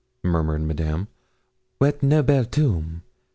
murmured Madame. 'What noble tomb!